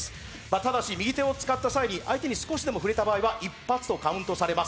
ただし、右手を使った際に相手に少しでも触れた場合は一発とカウントされます。